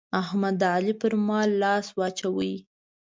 احمد د علي پر مال لاس واچاوو.